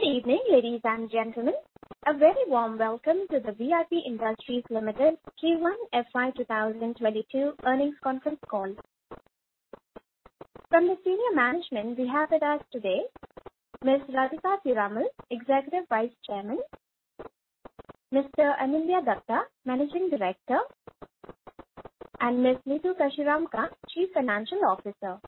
Good evening, ladies and gentlemen. A very warm welcome to the VIP Industries Limited Q1 FY 2022 earnings conference call. From the senior management we have with us today, Ms. Radhika Piramal, Executive Vice Chairman, Mr. Anindya Dutta, Managing Director, and Ms. Neetu Kashiramka, Chief Financial Officer.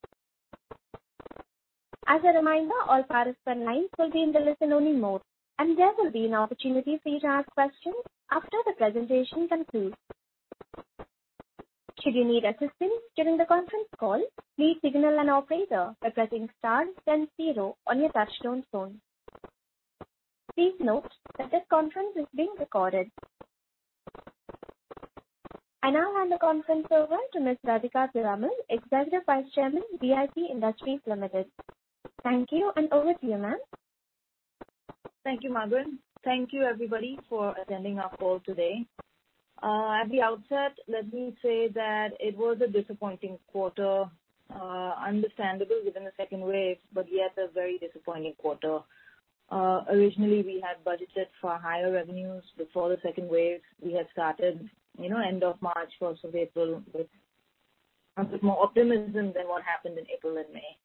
As a reminder, all participant lines will be in the listen-only mode, and there will be an opportunity for you to ask questions after the presentation concludes. Should you need assistance during the conference call, please signal an operator by pressing star then zero on your touchtone phone. Please note that this conference is being recorded. I now hand the conference over to Ms. Radhika Piramal, Executive Vice Chairman, VIP Industries Limited. Thank you, and over to you, ma'am. Thank you, Margaret. Thank you, everybody, for attending our call today. At the outset, let me say that it was a disappointing quarter, understandable within the second wave, but yet a very disappointing quarter. Originally we had budgeted for higher revenues before the second wave. We had started, you know, end of March, first of April, with a bit more optimism than what happened in April and May.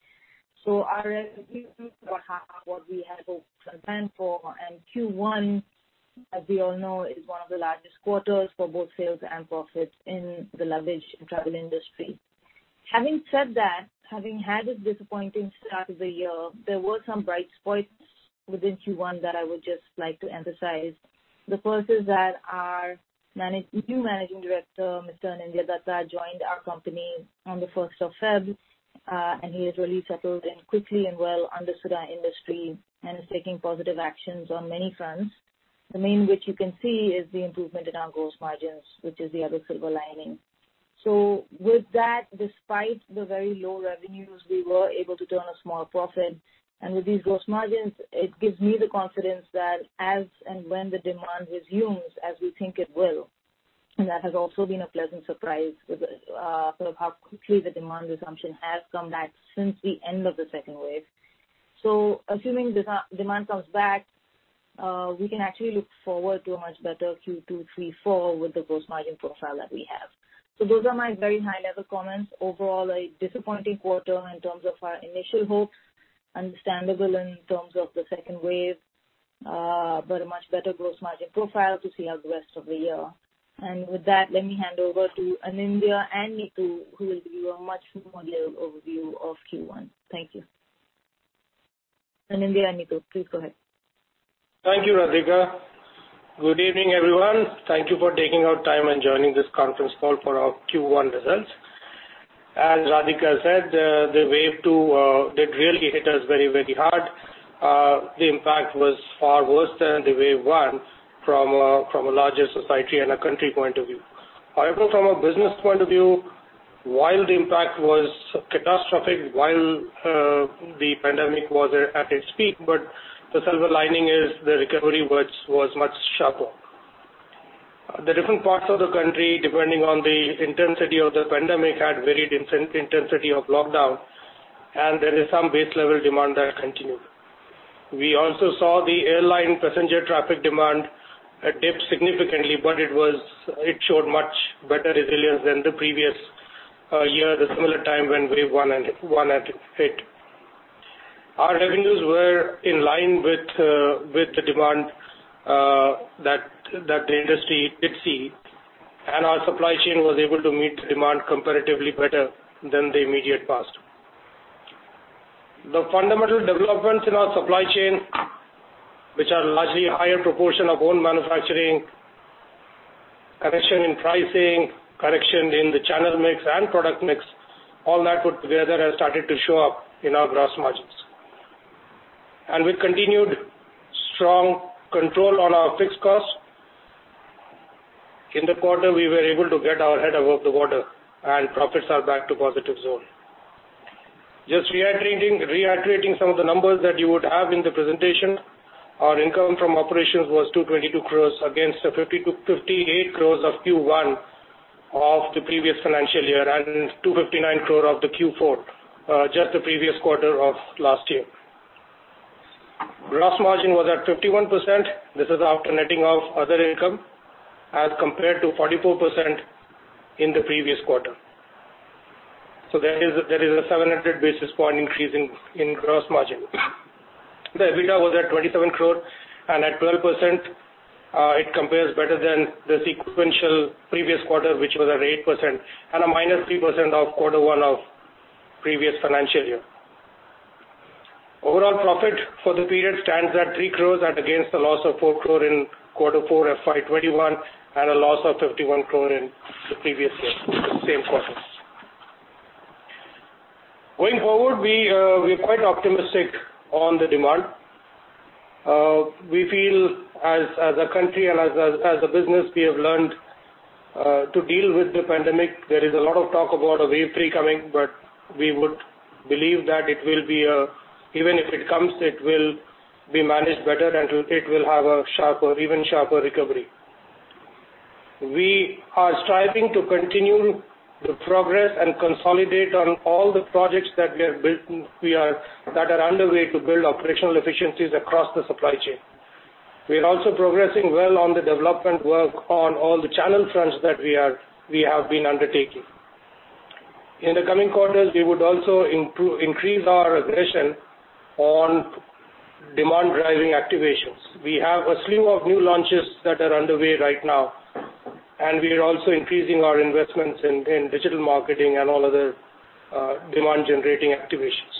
So our revenues were half what we had hoped and planned for, and Q1, as we all know, is one of the largest quarters for both sales and profits in the luggage and travel industry. Having said that, having had a disappointing start of the year, there were some bright spots within Q1 that I would just like to emphasize. The first is that our new managing director, Mr. Anindya Dutta joined our company on the first of February. And he has really settled in quickly and well, understood our industry and is taking positive actions on many fronts. The main, which you can see, is the improvement in our gross margins, which is the other silver lining. So with that, despite the very low revenues, we were able to turn a small profit. And with these gross margins, it gives me the confidence that as and when the demand resumes, as we think it will, and that has also been a pleasant surprise with the sort of how quickly the demand resumption has come back since the end of the second wave. So assuming demand comes back, we can actually look forward to a much better Q2, three, four with the gross margin profile that we have. So those are my very high-level comments. Overall, a disappointing quarter in terms of our initial hopes, understandable in terms of the second wave, but a much better gross margin profile to see out the rest of the year. And with that, let me hand over to Anindya and Neetu, who will give you a much more level overview of Q1. Thank you. Anindya and Neetu, please go ahead. Thank you, Radhika. Good evening, everyone. Thank you for taking out time and joining this conference call for our Q1 results. As Radhika said, the wave two did really hit us very, very hard. The impact was far worse than the wave one from a larger society and a country point of view. However, from a business point of view, while the impact was catastrophic, the pandemic was at its peak, but the silver lining is the recovery was much sharper. The different parts of the country, depending on the intensity of the pandemic, had varied intensity of lockdown, and there is some base level demand that continued. We also saw the airline passenger traffic demand dip significantly, but it showed much better resilience than the previous year, the similar time when wave one had hit. Our revenues were in line with the demand that the industry did see, and our supply chain was able to meet the demand comparatively better than the immediate past. The fundamental developments in our supply chain, which are largely a higher proportion of own manufacturing, correction in pricing, correction in the channel mix and product mix, all that put together has started to show up in our gross margins. With continued strong control on our fixed costs, in the quarter, we were able to get our head above the water and profits are back to positive zone. Just reiterating, reiterating some of the numbers that you would have in the presentation, our income from operations was 222 crore against 58 crore of Q1 of the previous financial year and 259 crore of the Q4, just the previous quarter of last year. Gross margin was at 51%. This is after netting off other income as compared to 44% in the previous quarter. So there is, there is a 700 basis point increase in, in gross margin. The EBITDA was at 27 crore and at 12%, it compares better than the sequential previous quarter, which was at 8% and a -3% of quarter one of previous financial year. Overall profit for the period stands at 3 crore as against a loss of 4 crore in quarter four FY 2021 and a loss of 51 crore in the previous year, the same quarter. Going forward, we, we're quite optimistic on the demand. We feel as, as a country and as, as, as a business, we have learned to deal with the pandemic. There is a lot of talk about a wave three coming, but we would believe that it will be, even if it comes, it will be managed better, and it will have a sharper, even sharper recovery. We are striving to continue the progress and consolidate on all the projects that we are built, we are- that are underway to build operational efficiencies across the supply chain. We are also progressing well on the development work on all the channel fronts that we are, we have been undertaking. In the coming quarters, we would also increase our aggression on demand-driving activations. We have a slew of new launches that are underway right now, and we are also increasing our investments in, in digital marketing and all other, demand-generating activations.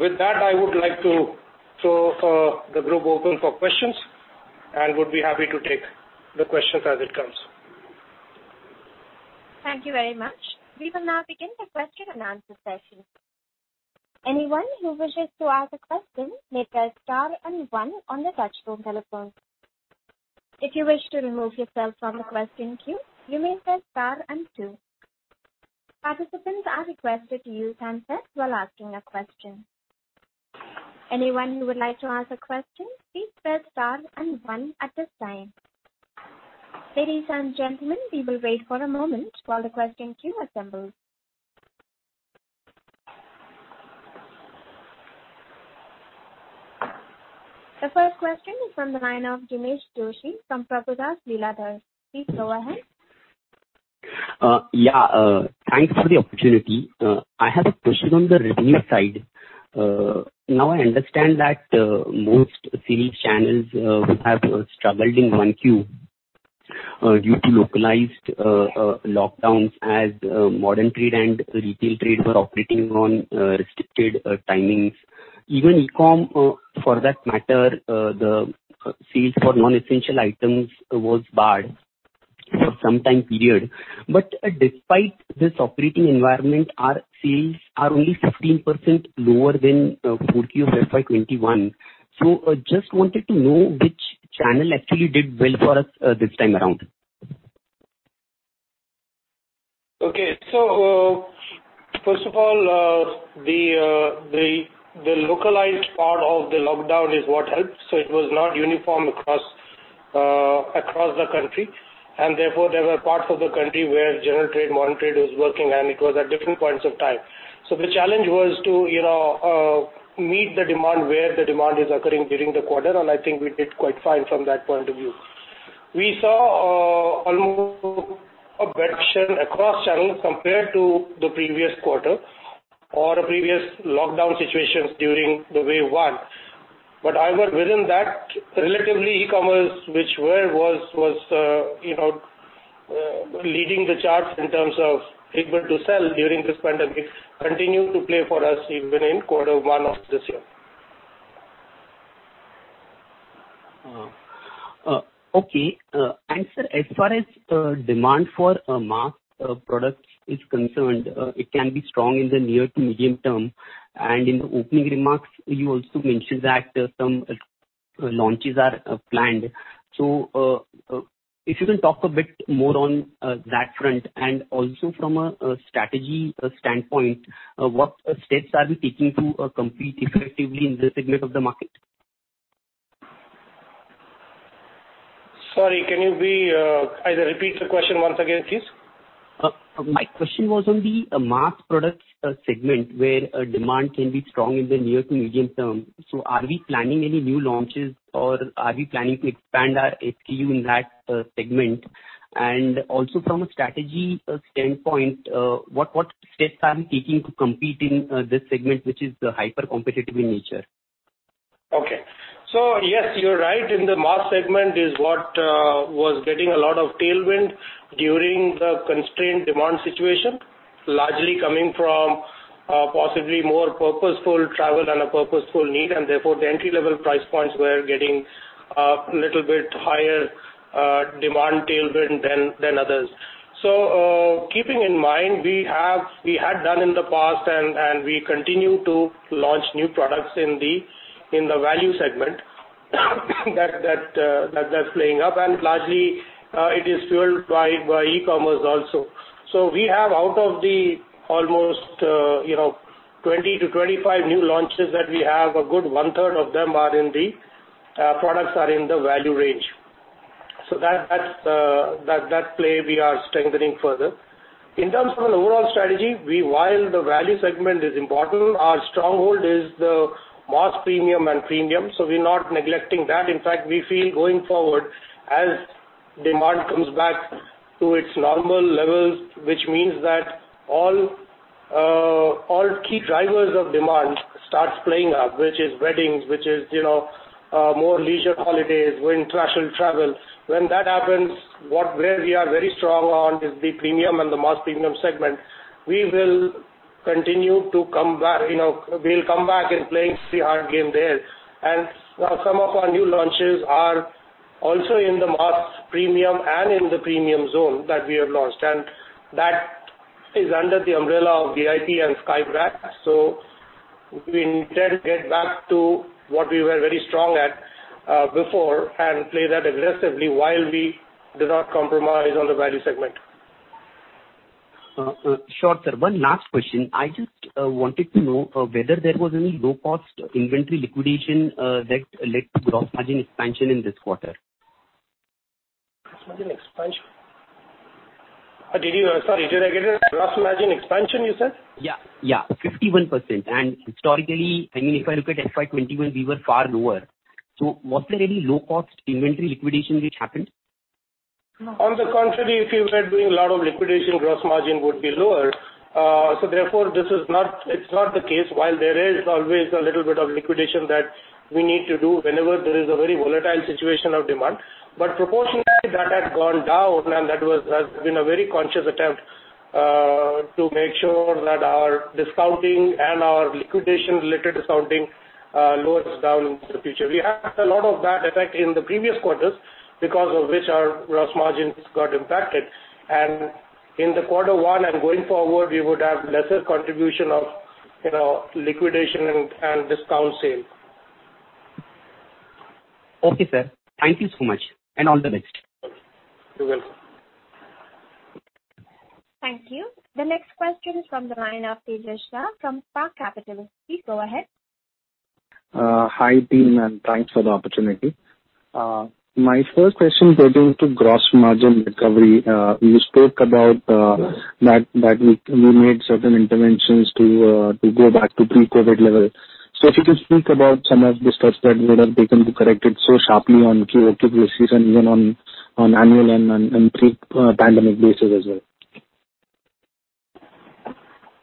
With that, I would like to throw, the group open for questions, and would be happy to take the questions as it comes. Thank you very much. We will now begin the question and answer session. Anyone who wishes to ask a question may press star and one on their touchtone telephone. If you wish to remove yourself from the question queue, you may press star and two. Participants are requested to use handset while asking a question. Anyone who would like to ask a question, please press star and one at this time. Ladies and gentlemen, we will wait for a moment while the question queue assembles. The first question is from the line of Jinesh Joshi from Prabhudas Lilladher. Please go ahead. Yeah, thanks for the opportunity. I have a question on the revenue side. Now, I understand that most sales channels have struggled in Q1 due to localized lockdowns as modern trade and retail trade were operating on restricted timings. Even e-com, for that matter, the sales for non-essential items was barred for some time period. But, despite this operating environment, our sales are only 15% lower than Q4 FY 2021. So, just wanted to know which channel actually did well for us this time around? Okay. So, first of all, the localized part of the lockdown is what helped, so it was not uniform across the country, and therefore, there were parts of the country where general trade, modern trade was working, and it was at different points of time. So the challenge was to, you know, meet the demand where the demand is occurring during the quarter, and I think we did quite fine from that point of view. We saw, almost a reduction across channels compared to the previous quarter or previous lockdown situations during the wave one. But however, within that, relatively, e-commerce, which where was, was, you know, leading the charts in terms of able to sell during this pandemic, continued to play for us even in quarter one of this year. Okay. And sir, as far as demand for mass products is concerned, it can be strong in the near to medium term, and in the opening remarks, you also mentioned that some launches are planned. So, if you can talk a bit more on that front, and also from a strategy standpoint, what steps are we taking to compete effectively in this segment of the market? Sorry, can you either repeat the question once again, please? My question was on the mass products segment, where demand can be strong in the near to medium term. So are we planning any new launches, or are we planning to expand our SKU in that segment? And also from a strategy standpoint, what steps are we taking to compete in this segment, which is hyper competitive in nature? Okay. So yes, you're right, in the mass segment is what was getting a lot of tailwind during the constrained demand situation, largely coming from possibly more purposeful travel than a purposeful need, and therefore, the entry-level price points were getting little bit higher demand tailwind than others. So, keeping in mind, we have, we had done in the past and we continue to launch new products in the value segment, that's playing up, and largely it is fueled by e-commerce also. So we have out of the almost, you know, 20-25 new launches that we have, a good 1/3 of them are in the products are in the value range. So that's that play we are strengthening further. In terms of an overall strategy, we, while the value segment is important, our stronghold is the mass premium and premium, so we're not neglecting that. In fact, we feel going forward as demand comes back to its normal levels, which means that all, all key drivers of demand starts playing out, which is weddings, which is, you know, more leisure holidays, international travel. When that happens, where we are very strong on is the premium and the mass premium segment. We will continue to come back, you know, we'll come back and play a hard game there. And, some of our new launches are also in the mass premium and in the premium zone that we have launched, and that is under the umbrella of VIP and Skybags. So we intend to get back to what we were very strong at, before and play that aggressively while we do not compromise on the value segment. Sure, sir. One last question. I just wanted to know whether there was any low-cost inventory liquidation that led to gross margin expansion in this quarter? Gross margin expansion? Did you, sorry, reiterate it? Gross margin expansion, you said? Yeah, yeah, 51%. And historically, I mean, if I look at FY 2021, we were far lower. So was there any low-cost inventory liquidation which happened? On the contrary, if you were doing a lot of liquidation, gross margin would be lower. So therefore, this is not, it's not the case. While there is always a little bit of liquidation that we need to do whenever there is a very volatile situation of demand. But proportionally, that has gone down, and that was, has been a very conscious attempt, to make sure that our discounting and our liquidation-related discounting, lowers down in the future. We have a lot of that effect in the previous quarters, because of which our gross margins got impacted. And in the quarter one and going forward, we would have lesser contribution of, you know, liquidation and, and discount sale. Okay, sir. Thank you so much, and all the best. You're welcome. Thank you. The next question is from the line of Tejas Shah from Spark Capital. Please go ahead. Hi, team, and thanks for the opportunity. My first question pertaining to gross margin recovery. You spoke about that we made certain interventions to go back to pre-COVID level. So if you could speak about some of the steps that you would have taken to correct it so sharply on Q-over-Q basis and even on annual and pre-pandemic basis as well.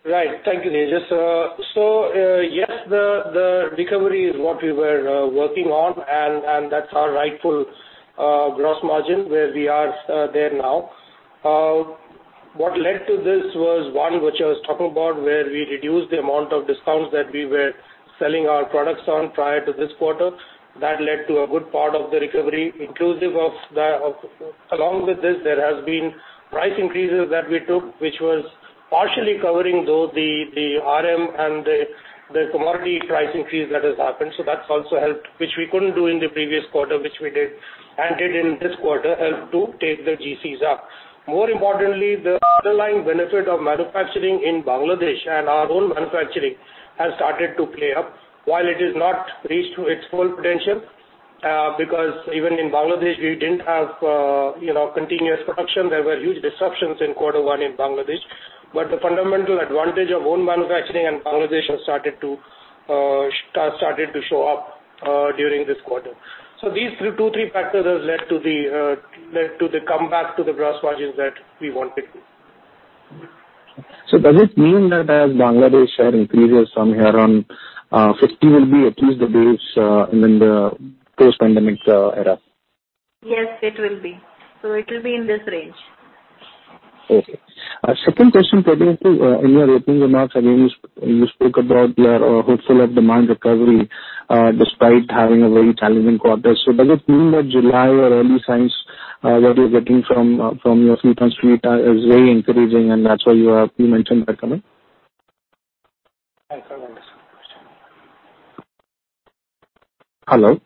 Right. Thank you, Tejas. So, yes, the recovery is what we were working on, and that's our rightful gross margin, where we are there now. What led to this was, one, which I was talking about, where we reduced the amount of discounts that we were selling our products on prior to this quarter. That led to a good part of the recovery. Along with this, there has been price increases that we took, which was partially covering though the RM and the commodity price increase that has happened, so that's also helped, which we couldn't do in the previous quarter, which we did. And did in this quarter, helped to take the GCs up. More importantly, the underlying benefit of manufacturing in Bangladesh and our own manufacturing has started to play up. While it is not reached to its full potential, because even in Bangladesh, we didn't have, you know, continuous production. There were huge disruptions in quarter one in Bangladesh. But the fundamental advantage of own manufacturing and Bangladesh has started to show up, during this quarter. So these three, two, three factors has led to the comeback to the gross margins that we wanted. So does it mean that Bangladesh share increases from around 50 will be at least the base in the post-pandemic era? Yes, it will be. It will be in this range. Okay. Second question pertaining to, in your opening remarks, I mean, you spoke about your wholesale demand recovery, despite having a very challenging quarter. So does it mean that July's early signs that you're getting from your pre-pandemic is very encouraging, and that's why you mentioned the recovery? I don't understand the question. Hello?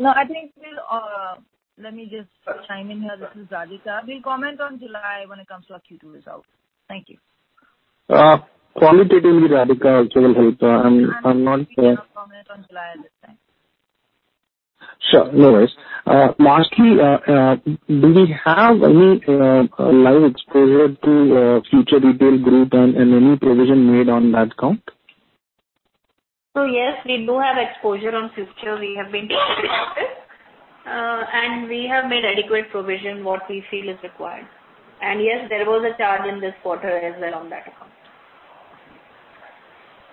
No, I think we'll. Let me just chime in here. This is Radhika. We'll comment on July when it comes to our Q2 result. Thank you. Qualitatively, Radhika, also will help. I'm not clear. I cannot comment on July at this time. Sure, anyways. Lastly, do we have any live exposure to Future Retail Group and any provision made on that count? So yes, we do have exposure on Future. We have been doing business with them. And we have made adequate provision, what we feel is required. And yes, there was a charge in this quarter as well on that account.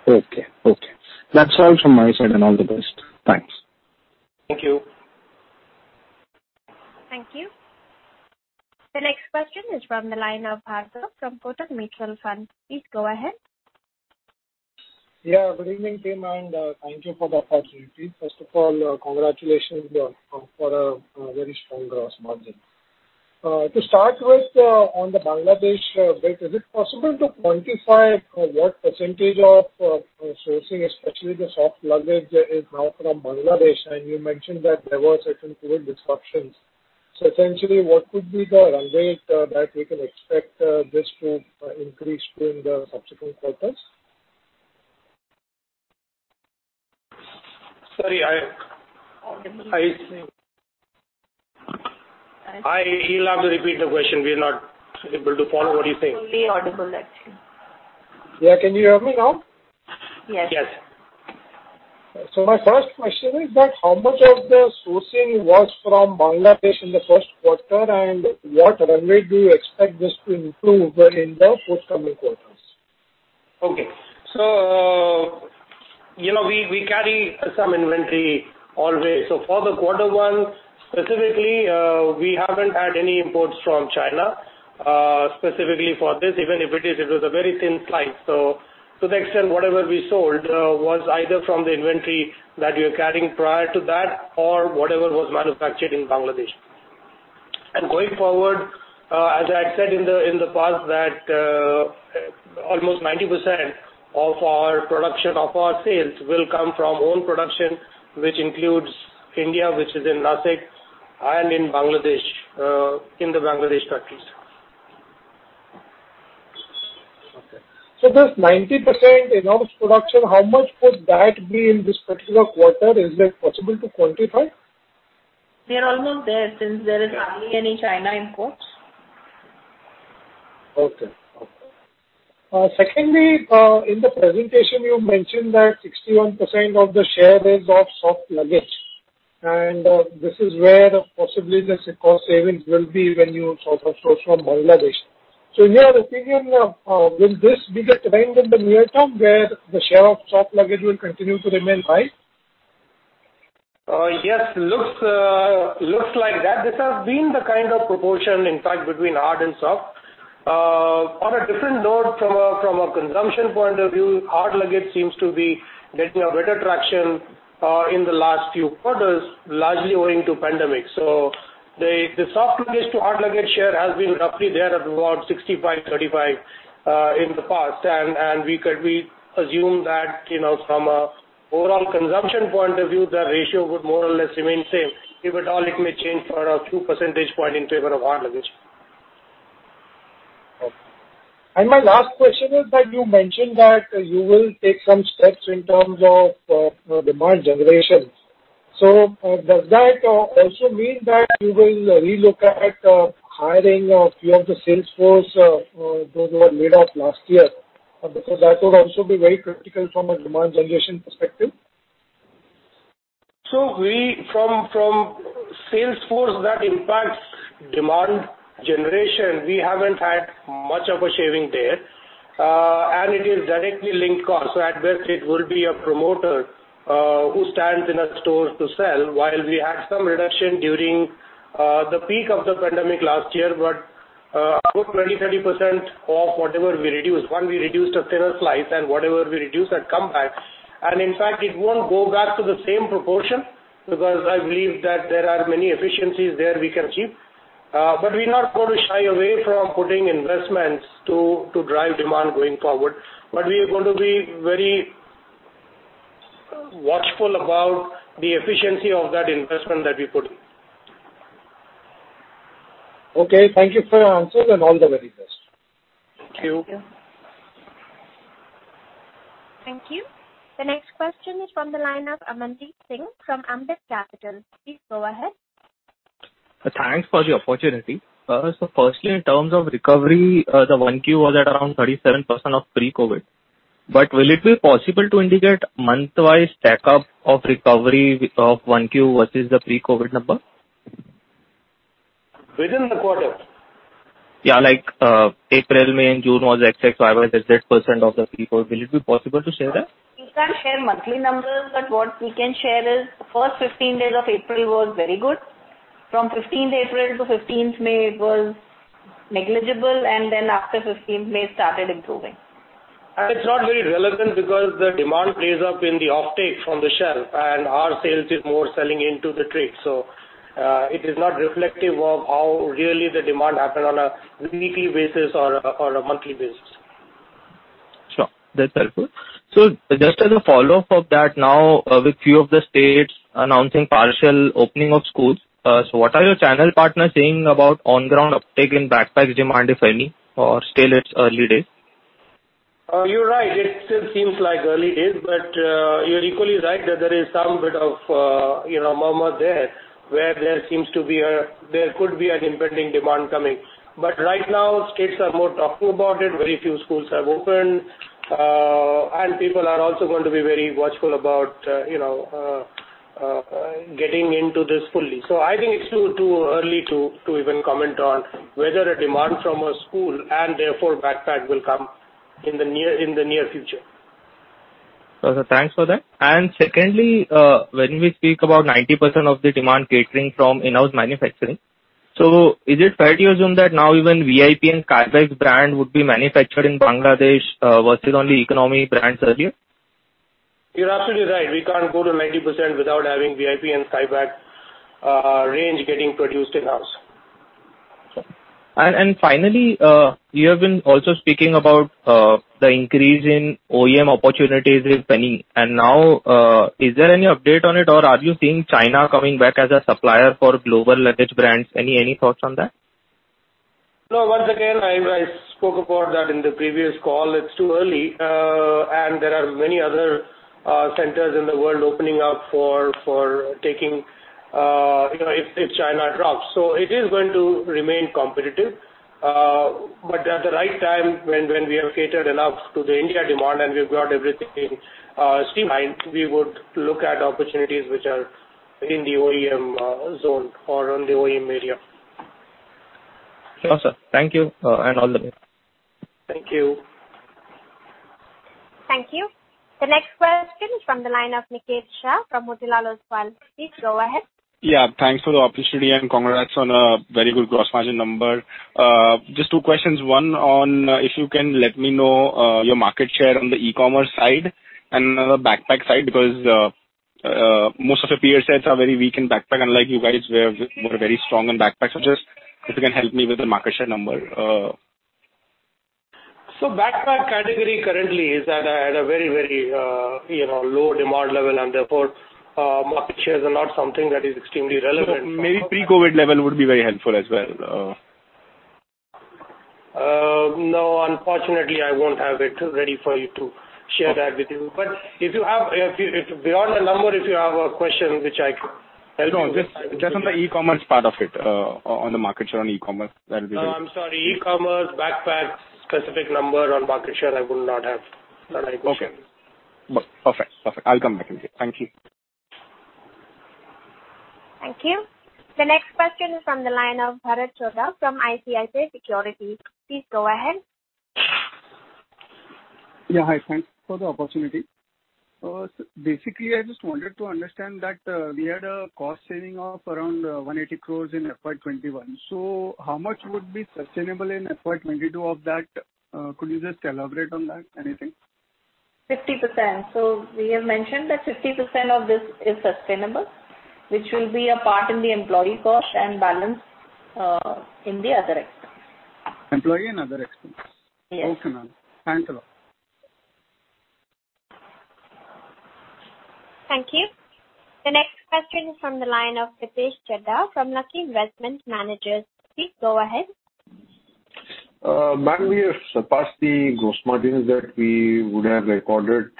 Okay. Okay. That's all from my side, and all the best. Thanks. Thank you. Thank you. The next question is from the line of Bhargav Buddhadev from Kotak Mutual Fund. Please go ahead. Yeah, good evening, team, and, thank you for the opportunity. First of all, congratulations on, for a, very strong gross margin. To start with, on the Bangladesh bit, is it possible to quantify, what percentage of, sourcing, especially the soft luggage, is now from Bangladesh? And you mentioned that there were certain COVID disruptions. So essentially, what could be the runway, that we can expect, this to, increase during the subsequent quarters? Sorry, he'll have to repeat the question. We are not able to follow what he's saying. Not fully audible, actually. Yeah. Can you hear me now? Yes. Yes. So my first question is that how much of the sourcing was from Bangladesh in the first quarter, and what runway do you expect this to improve in the forthcoming quarters? Okay. So, you know, we, we carry some inventory always. So for the quarter one, specifically, we haven't had any imports from China, specifically for this. Even if it is, it was a very thin slice. So to the extent, whatever we sold, was either from the inventory that we were carrying prior to that or whatever was manufactured in Bangladesh. And going forward, as I said in the, in the past, that, almost 90% of our production, of our sales will come from own production, which includes India, which is in Nashik and in Bangladesh, in the Bangladesh factories. Okay. So this 90% in-house production, how much could that be in this particular quarter? Is it possible to quantify? We are almost there, since there is hardly any China imports. Okay. Secondly, in the presentation, you mentioned that 61% of the share is of soft luggage, and this is where possibly the cost savings will be when you outsource from Bangladesh. So here, again, will this be the trend in the near term, where the share of soft luggage will continue to remain high? Yes, looks like that. This has been the kind of proportion, in fact, between hard and soft. On a different note, from a consumption point of view, hard luggage seems to be getting a better traction in the last few quarters, largely owing to pandemic. So the soft luggage to hard luggage share has been roughly there at around 65/35 in the past, and we could assume that, you know, from a overall consumption point of view, the ratio would more or less remain same. If at all, it may change for a few percentage point in favor of hard luggage. Okay. And my last question is that you mentioned that you will take some steps in terms of demand generation. So, does that also mean that you will relook at hiring a few of the sales force, those who were laid off last year? Because that would also be very critical from a demand generation perspective. So we from sales force that impacts demand generation, we haven't had much of a shaving there, and it is directly linked cost. So at best, it will be a promoter who stands in a store to sell, while we had some reduction during the peak of the pandemic last year, but about 20-30% of whatever we reduced. One, we reduced a thinner slice, and whatever we reduced had come back. And in fact, it won't go back to the same proportion, because I believe that there are many efficiencies there we can achieve. But we're not going to shy away from putting investments to drive demand going forward. But we are going to be very watchful about the efficiency of that investment that we put in. Okay, thank you for your answers, and all the very best. Thank you. Thank you. Thank you. The next question is from the line of Amandeep Singh from Ambit Capital. Please go ahead. Thanks for the opportunity. So firstly, in terms of recovery, the 1Q was at around 37% of pre-COVID. But will it be possible to indicate month-wise stack-up of recovery of 1Q versus the pre-COVID number? Within the quarter? Yeah, like, April, May and June was X, Y, Z percent of the pre-COVID. Will it be possible to share that? We can't share monthly numbers, but what we can share is first 15 days of April was very good. From 15th April to 15th May was negligible, and then after 15th May, started improving. It's not very relevant because the demand plays up in the offtake from the shelf, and our sales is more selling into the trade. So, it is not reflective of how really the demand happened on a weekly basis or a monthly basis. Sure, that's helpful. So just as a follow-up of that, now, with few of the states announcing partial opening of schools, so what are your channel partners saying about on-ground uptake in backpacks demand, if any, or still it's early days? You're right. It still seems like early days, but you're equally right that there is some bit of, you know, murmur there, where there seems to be there could be an impending demand coming. But right now, states are more talking about it. Very few schools have opened, and people are also going to be very watchful about, you know, getting into this fully. So I think it's too early to even comment on whether a demand from a school and therefore backpack will come in the near future. Okay, thanks for that. And secondly, when we speak about 90% of the demand catering from in-house manufacturing, so is it fair to assume that now even VIP and Skybags brand would be manufactured in Bangladesh, versus only economy brands earlier? You're absolutely right. We can't go to 90% without having VIP and Skybags range getting produced in-house. And finally, you have been also speaking about the increase in OEM opportunities with Penney. And now, is there any update on it, or are you seeing China coming back as a supplier for global luggage brands? Any thoughts on that? No, once again, I, I spoke about that in the previous call. It's too early, and there are many other centers in the world opening up for, for taking, you know, if, if China drops. So it is going to remain competitive, but at the right time, when, when we have catered enough to the India demand and we've got everything streamlined, we would look at opportunities which are in the OEM zone or on the OEM area. Awesome. Thank you, and all the best. Thank you. Thank you. The next question is from the line of Niket Shah from Motilal Oswal. Please go ahead. Yeah, thanks for the opportunity, and congrats on a very good gross margin number. Just two questions. One, on if you can let me know, your market share on the e-commerce side and another backpack side, because most of the peer sets are very weak in backpack, unlike you guys, where you were very strong in backpacks. So just if you can help me with the market share number? Backpack category currently is at a very, very, you know, low demand level, and therefore, market shares are not something that is extremely relevant. Maybe pre-COVID level would be very helpful as well. No, unfortunately, I won't have it ready for you to share that with you. Okay. But if you have beyond the number, if you have a question which I can help you with- No, just, just on the e-commerce part of it, on the market share on e-commerce, that is it. No, I'm sorry, e-commerce backpack specific number on market share. I would not have that information. Okay. Perfect. Perfect. I'll come back in here. Thank you. Thank you. The next question is from the line of Bharat Chhoda from ICICI Securities. Please go ahead. Yeah, hi. Thanks for the opportunity. So basically, I just wanted to understand that we had a cost saving of around 180 crore in FY 2021. So how much would be sustainable in FY 2022 of that? Could you just elaborate on that anything? 50%. So we have mentioned that 50% of this is sustainable, which will be a part in the employee cost and balance in the other expense. Employee and other expense? Yes. Okay, ma'am. Thanks a lot. Thank you. The next question is from the line of Pritesh Chheda from Lucky Investment Managers. Please go ahead. Ma'am, we have surpassed the gross margins that we would have recorded,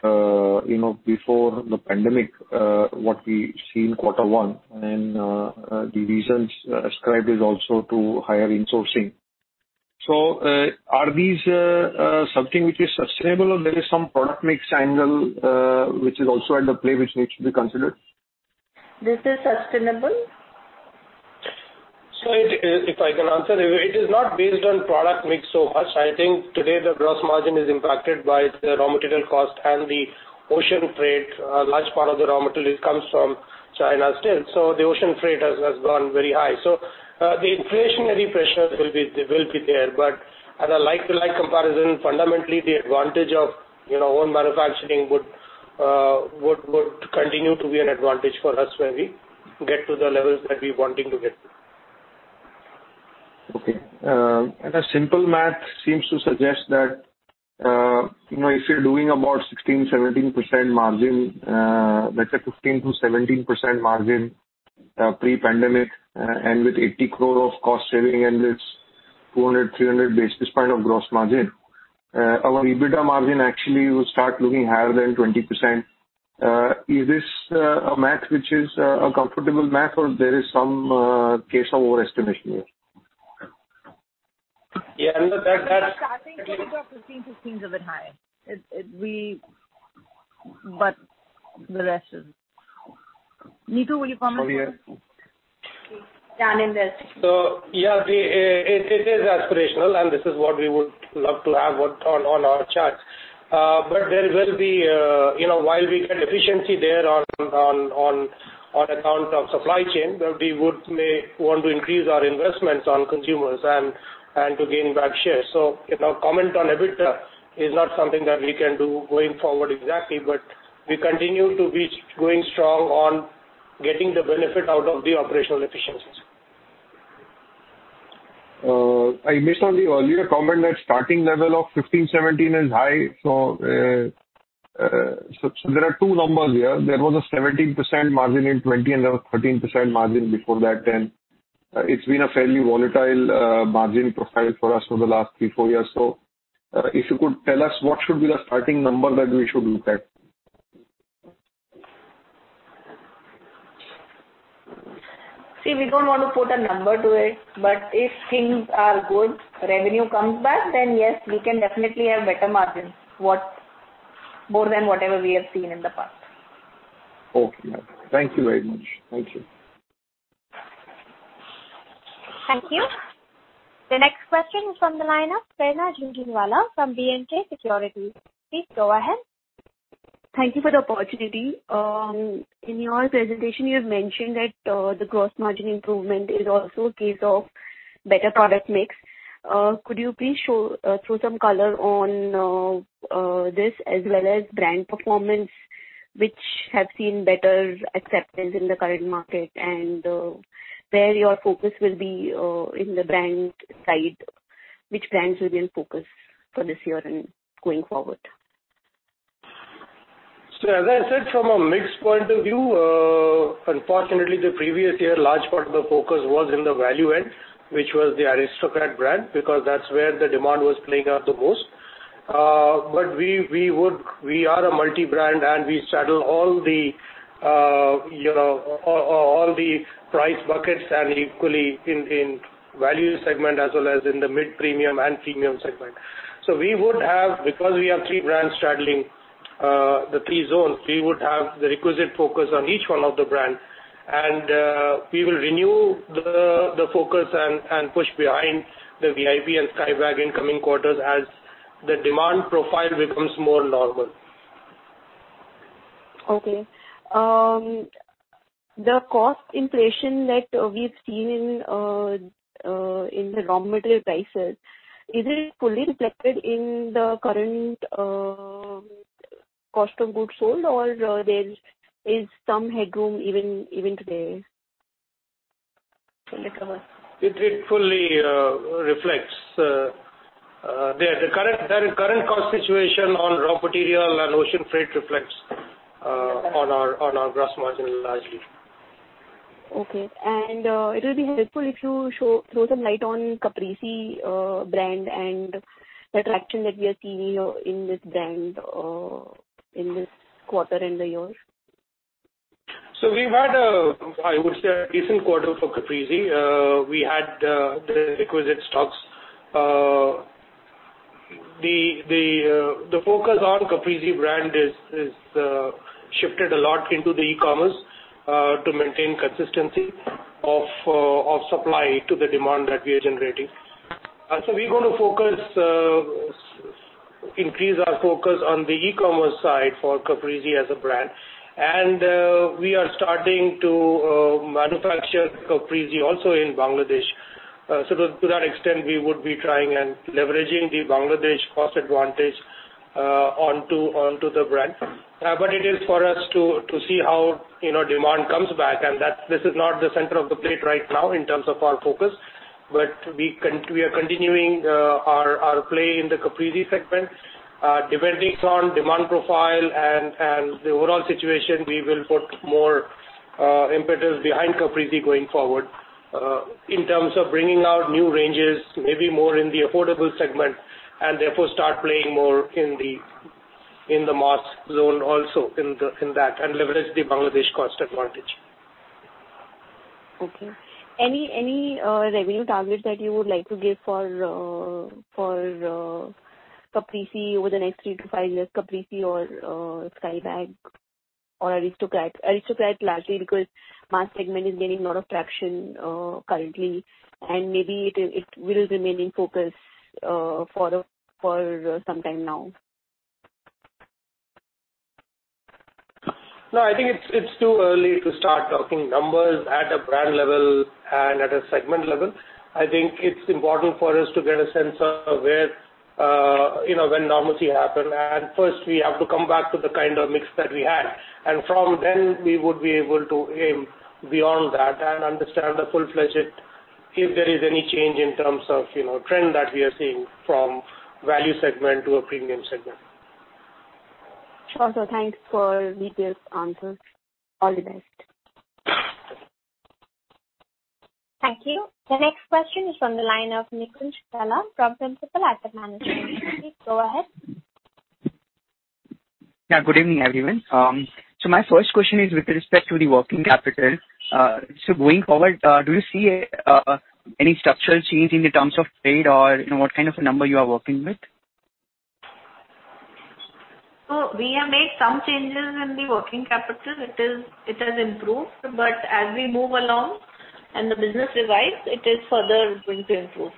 you know, before the pandemic, what we see in quarter one, and the reasons ascribed is also to higher insourcing. So, are these something which is sustainable or there is some product mix angle, which is also at play, which needs to be considered? This is sustainable. So, if I can answer, it is not based on product mix so much. I think today the gross margin is impacted by the raw material cost and the ocean freight. A large part of the raw material comes from China still, so the ocean freight has gone very high. So, the inflationary pressure will be there, but as a like-to-like comparison, fundamentally the advantage of, you know, own manufacturing would continue to be an advantage for us when we get to the levels that we're wanting to get to. Okay, a simple math seems to suggest that, you know, if you're doing about 16% or 17% margin, let's say 15%-17% margin, pre-pandemic, and with 80 crore of cost saving and this 400 basis points-300 basis point of gross margin, our EBITDA margin actually will start looking higher than 20%. Is this, a math which is, a comfortable math, or there is some, case of overestimation here? Yeah, and that, I think it is about 15%, 16% is a bit high. But the rest is. Neetu, will you comment on this? Yeah, I'm in this. So yeah, it is aspirational, and this is what we would love to have on our charts. But there will be, you know, while we get efficiency there on account of supply chain, we may want to increase our investments on consumers and to gain back share. So, you know, comment on EBITDA is not something that we can do going forward exactly, but we continue to be going strong on getting the benefit out of the operational efficiencies. I missed on the earlier comment that starting level of 15%, 17% is high. So, so there are two numbers here. There was a 17% margin in 2020, and there was 13% margin before that, and, it's been a fairly volatile, margin profile for us for the last three, four years. So, if you could tell us what should be the starting number that we should look at? See, we don't want to put a number to it, but if things are good, revenue comes back, then yes, we can definitely have better margins, more than whatever we have seen in the past. Okay, ma'am. Thank you very much. Thank you. Thank you. The next question is from the line of Prerna Jhunjhunwala from B&K Securities. Please go ahead. Thank you for the opportunity. In your presentation, you have mentioned that the gross margin improvement is also a case of better product mix. Could you please throw some color on this as well as brand performance, which have seen better acceptance in the current market, and where your focus will be in the brand side? Which brands will you focus for this year and going forward? So as I said, from a mix point of view, unfortunately, the previous year, large part of the focus was in the value end, which was the Aristocrat brand, because that's where the demand was playing out the most. But we are a multi-brand, and we straddle all the, you know, all the price buckets and equally in the value segment as well as in the mid-premium and premium segment. So we would have, because we have three brands straddling the three zones, we would have the requisite focus on each one of the brand, and we will renew the focus and push behind the VIP and Skybags in coming quarters as the demand profile becomes more normal. Okay. Um, the cost inflation that we've seen in the raw material prices, is it fully reflected in the current cost of goods sold, or there is some headroom even, even today to recover? It fully reflects the current cost situation on raw material and ocean freight reflects on our gross margin largely. Okay. And it will be helpful if you throw some light on Caprese brand and the traction that we are seeing in this brand in this quarter and the year. So we've had, I would say, a decent quarter for Caprese. We had the requisite stocks. The focus on Caprese brand is shifted a lot into the e-commerce to maintain consistency of supply to the demand that we are generating. So we're gonna focus, increase our focus on the e-commerce side for Caprese as a brand. And we are starting to manufacture Caprese also in Bangladesh. So to that extent, we would be trying and leveraging the Bangladesh cost advantage onto the brand. But it is for us to see how, you know, demand comes back, and that's-this is not the center of the plate right now in terms of our focus. But we are continuing our play in the Caprese segment. Depending on demand profile and the overall situation, we will put more impetus behind Caprese going forward, in terms of bringing out new ranges, maybe more in the affordable segment, and therefore start playing more in the mass zone also in that, and leverage the Bangladesh cost advantage. Okay. Any revenue targets that you would like to give for Caprese over the next three to five years, Caprese or Skybags or Aristocrat? Aristocrat, largely because mass segment is gaining a lot of traction currently, and maybe it will remain in focus for some time now. No, I think it's, it's too early to start talking numbers at a brand level and at a segment level. I think it's important for us to get a sense of where, you know, when normalcy happen, and first we have to come back to the kind of mix that we had. And from then we would be able to aim beyond that and understand the full-fledged, if there is any change in terms of, you know, trend that we are seeing from value segment to a premium segment. Sure, sir. Thanks for detailed answers. All the best. Thank you. The next question is from the line of Nikunj Gala from Principal Asset Management. Please go ahead. Yeah, good evening, everyone. So my first question is with respect to the working capital. So going forward, do you see any structural change in the terms of trade or, you know, what kind of a number you are working with? So we have made some changes in the working capital. It has improved, but as we move along and the business revives, it is further going to improve.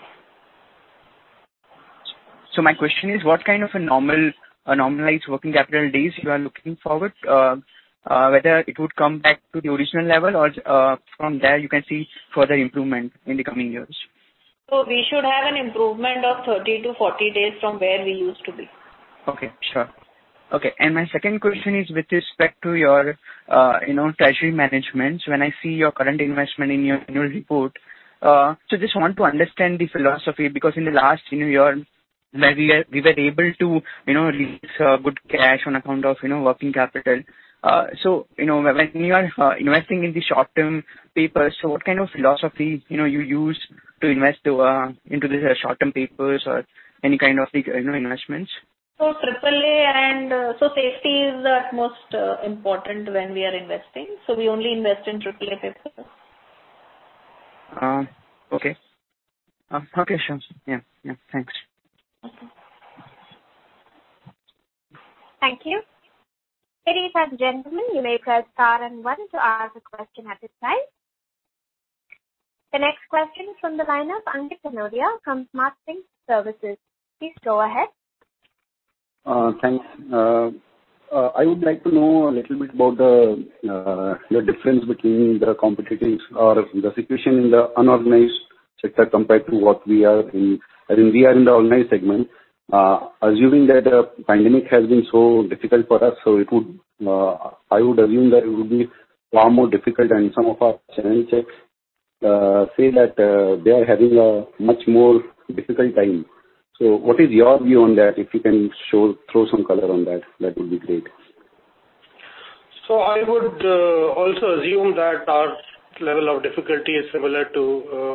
My question is, what kind of a normal, a normalized working capital days you are looking forward? Whether it would come back to the original level, or from there you can see further improvement in the coming years. We should have an improvement of 30 days-40 days from where we used to be. Okay, sure. Okay, and my second question is with respect to your, you know, treasury management. When I see your current investment in your annual report, so just want to understand the philosophy, because in the last, you know, year, where we are, we were able to, you know, release, good cash on account of, you know, working capital. So, you know, when you are, investing in the short-term papers, so what kind of philosophy, you know, you use to invest, into the short-term papers or any kind of, you know, investments? So, AAA and so, safety is the utmost important when we are investing, so we only invest in AAA papers. Okay. Okay, sure. Yeah, yeah, thanks. Okay. Thank you. Ladies and gentlemen, you may press star and one to ask a question at this time. The next question is from the line of Ankit Kanodia from Smart Sync Services. Please go ahead. Thanks. I would like to know a little bit about the difference between the competitors or the situation in the unorganized sector, compared to what we are in. I mean, we are in the organized segment. Assuming that the pandemic has been so difficult for us, so it would, I would assume that it would be far more difficult, and some of our channel checks say that they are having a much more difficult time. So what is your view on that? If you can throw some color on that, that would be great. So I would also assume that our level of difficulty is similar to,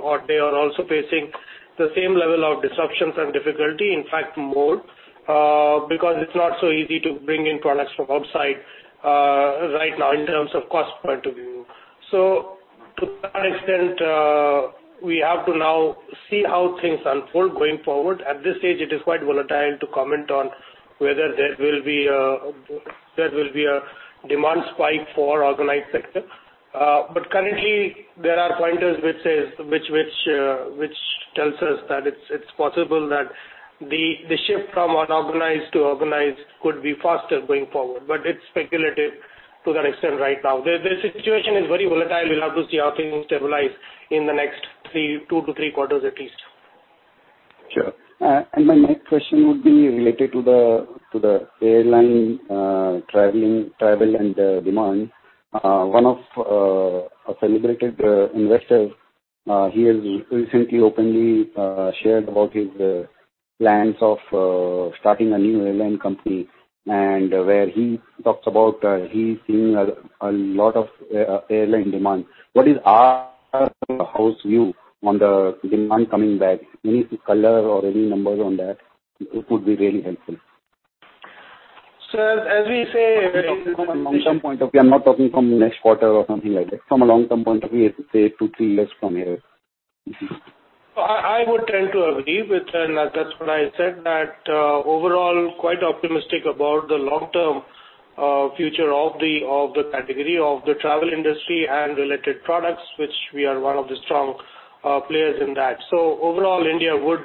or they are also facing the same level of disruptions and difficulty, in fact, more, because it's not so easy to bring in products from outside, right now in terms of cost point of view. So to that extent, we have to now see how things unfold going forward. At this stage, it is quite volatile to comment on whether there will be a demand spike for organized sector. But currently, there are pointers which says, which tells us that it's possible that the shift from unorganized to organized could be faster going forward, but it's speculative to that extent right now. The situation is very volatile. We'll have to see how things stabilize in the next two to three quarters at least. Sure. And my next question would be related to the, to the airline, traveling, travel and demand. One of a celebrated investor, he has recently openly shared about his plans of starting a new airline company, and where he talks about, he's seeing a, a lot of airline demand. What is our house view on the demand coming back? Any color or any numbers on that, it would be really helpful. As we say. From a long-term point of view, I'm not talking from next quarter or something like that. From a long-term point of view, say, 2, 3 years from here. I, I would tend to agree with, and that's what I said, that, overall, quite optimistic about the long-term, future of the, of the category, of the travel industry and related products, which we are one of the strong, players in that. So overall, India would,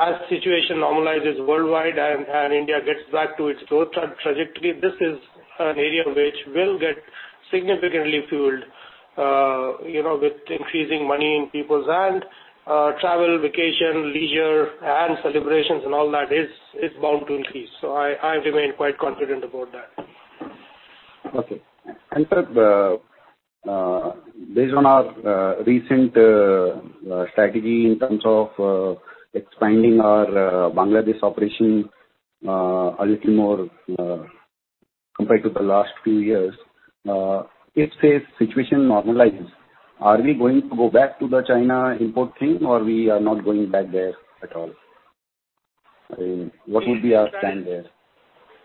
as situation normalizes worldwide and, and India gets back to its growth, trajectory, this is an area which will get significantly fueled, you know, with increasing money in people's hand, travel, vacation, leisure, and celebrations and all that is, is bound to increase. So I, I remain quite confident about that. Okay. And, sir, based on our recent strategy in terms of expanding our Bangladesh operation a little more compared to the last few years, if the situation normalizes, are we going to go back to the China import thing, or we are not going back there at all? I mean, what would be our stand there?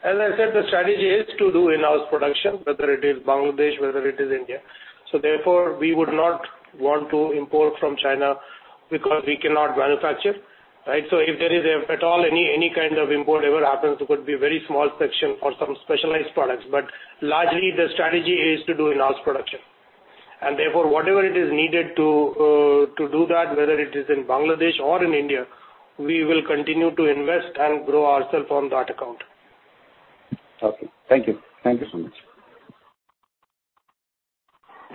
As I said, the strategy is to do in-house production, whether it is Bangladesh, whether it is India. So therefore, we would not want to import from China because we cannot manufacture, right? So if there is at all any, any kind of import ever happens, it could be a very small section or some specialized products. But largely, the strategy is to do in-house production. And therefore, whatever it is needed to, to do that, whether it is in Bangladesh or in India, we will continue to invest and grow ourselves on that account. Okay. Thank you. Thank you so much.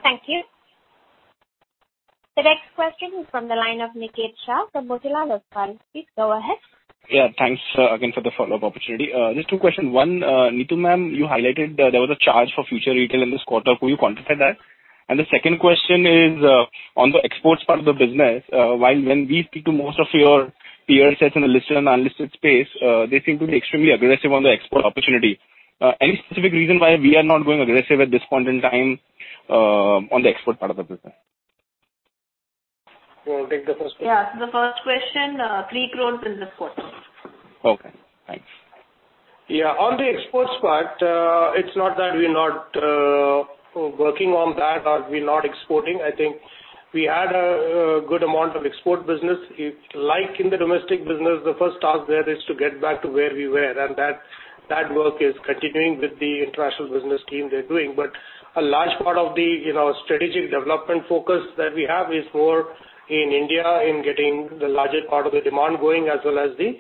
Thank you. The next question is from the line of Niket Shah from Motilal Oswal. Please go ahead. Yeah, thanks, again for the follow-up opportunity. Just two questions. One, Neetu, ma'am, you highlighted there was a charge for Future Retail in this quarter. Could you quantify that? And the second question is, on the exports part of the business, while when we speak to most of your peers sets in the listed and unlisted space, they seem to be extremely aggressive on the export opportunity. Any specific reason why we are not going aggressive at this point in time, on the export part of the business? You want to take the first one? Yeah, the first question, 3 crore in this quarter. Okay, thanks. Yeah, on the exports part, it's not that we're not working on that or we're not exporting. I think we had a good amount of export business. Like in the domestic business, the first task there is to get back to where we were, and that work is continuing with the international business team they're doing. But a large part of the, you know, strategic development focus that we have is more in India, in getting the largest part of the demand going, as well as the,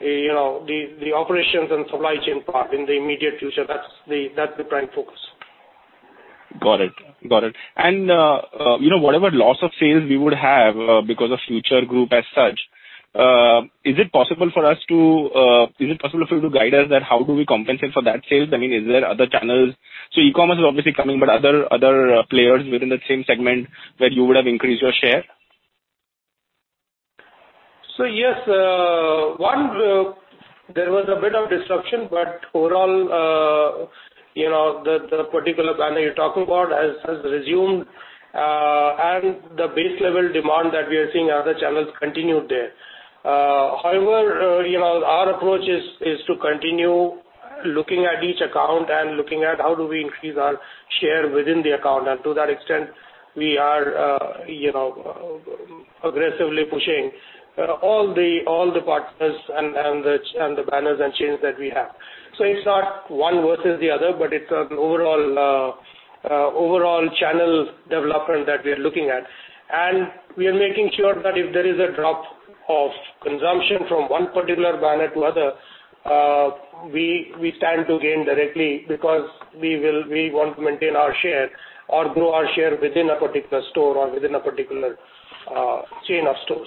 you know, the operations and supply chain part in the immediate future. That's the prime focus. Got it. Got it. And, you know, whatever loss of sales we would have because of Future Group as such, is it possible for you to guide us at how do we compensate for that sales? I mean, is there other channels? So e-commerce is obviously coming, but other, other players within the same segment where you would have increased your share? So yes, there was a bit of disruption, but overall, you know, the particular banner you're talking about has resumed, and the base level demand that we are seeing, other channels continued there. However, you know, our approach is to continue looking at each account and looking at how do we increase our share within the account. And to that extent, we are, you know, aggressively pushing all the partners and the banners and chains that we have. So it's not one versus the other, but it's an overall channel development that we are looking at. We are making sure that if there is a drop of consumption from one particular banner to other, we stand to gain directly because we will, we want to maintain our share or grow our share within a particular store or within a particular chain of stores.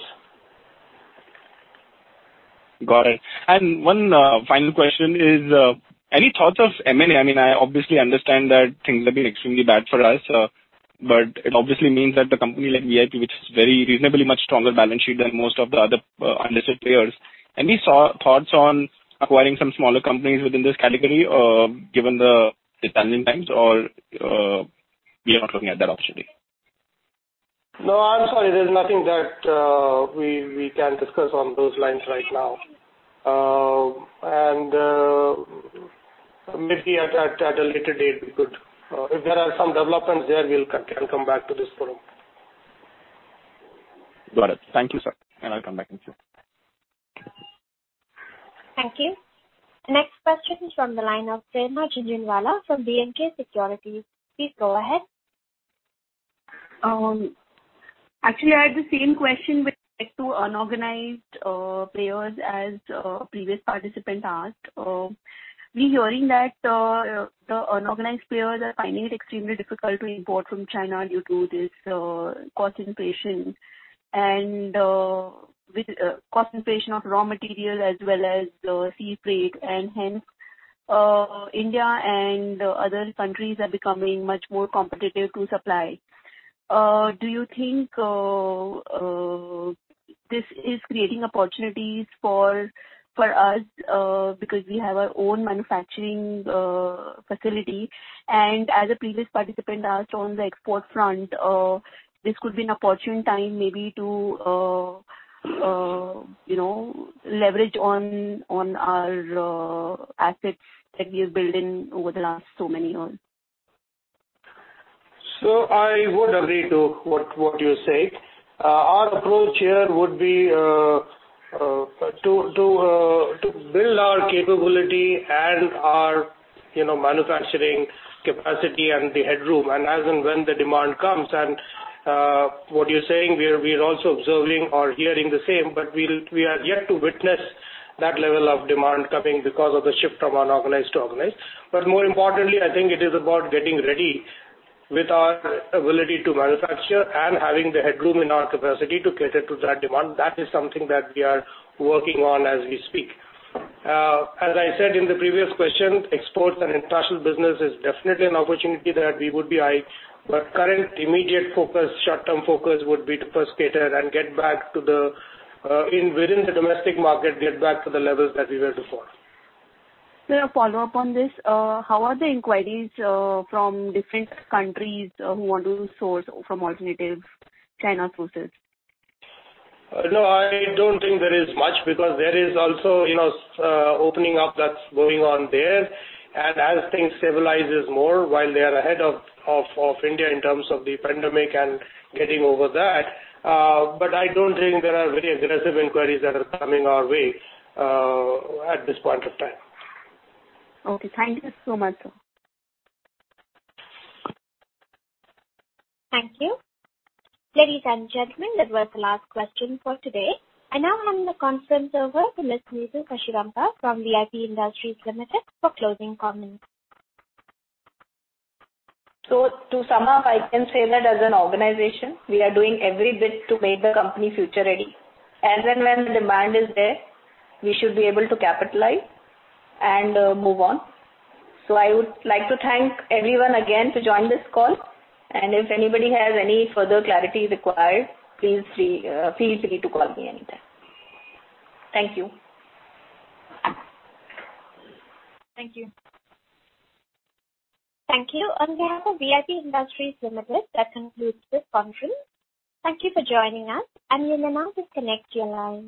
Got it. And one final question is any thoughts of M&A? I mean, I obviously understand that things have been extremely bad for us, but it obviously means that the company like VIP, which is very reasonably much stronger balance sheet than most of the other unlisted players. Any thoughts on acquiring some smaller companies within this category, given the challenging times or we are not looking at that option? No, I'm sorry, there's nothing that we can discuss on those lines right now. And maybe at a later date, we could, if there are some developments there, we'll come back to this forum. Got it. Thank you, sir, and I'll come back in soon. Thank you. Next question is from the line of Prerna Jhunjhunwala from B&K Securities. Please go ahead. Actually, I had the same question with respect to unorganized players as previous participant asked. We're hearing that the unorganized players are finding it extremely difficult to import from China due to this cost inflation, and with cost inflation of raw material as well as the sea freight, and hence India and other countries are becoming much more competitive to supply. Do you think this is creating opportunities for us because we have our own manufacturing facility? And as a previous participant asked on the export front, this could be an opportune time maybe to you know, leverage on our assets that we have built in over the last so many years. So I would agree to what you're saying. Our approach here would be to build our capability and our, you know, manufacturing capacity and the headroom, and as and when the demand comes, and what you're saying, we are also observing or hearing the same, but we are yet to witness that level of demand coming because of the shift from unorganized to organized. But more importantly, I think it is about getting ready with our ability to manufacture and having the headroom in our capacity to cater to that demand. That is something that we are working on as we speak. As I said in the previous question, exports and international business is definitely an opportunity that we would be eyeing, but current immediate focus, short-term focus, would be to first cater and get back within the domestic market, get back to the levels that we were before. Sir, a follow-up on this. How are the inquiries from different countries who want to source from alternative China sources? No, I don't think there is much, because there is also, you know, opening up that's going on there. And as things stabilizes more, while they are ahead of India in terms of the pandemic and getting over that, but I don't think there are very aggressive inquiries that are coming our way, at this point of time. Okay, thank you so much, sir. Thank you. Ladies and gentlemen, that was the last question for today. I now hand the conference over to Ms. Neetu Kashiramka from VIP Industries Limited for closing comments. So to sum up, I can say that as an organization, we are doing every bit to make the company future-ready. As and when the demand is there, we should be able to capitalize and move on. So I would like to thank everyone again to join this call, and if anybody has any further clarity required, please feel free to call me anytime. Thank you. Thank you. Thank you. On behalf of VIP Industries Limited, that concludes this conference. Thank you for joining us, and you may now disconnect your lines.